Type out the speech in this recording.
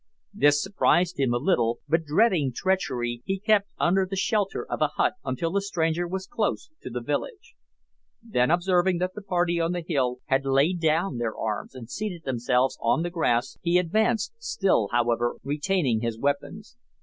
This surprised him a little, but dreading treachery, he kept under the shelter of a hut until the stranger was close to the village; then, observing that the party on the hill had laid down their arms and seated themselves on the grass, he advanced, still, however, retaining his weapons.